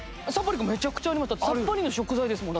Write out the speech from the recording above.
だってさっぱりの食材ですもん。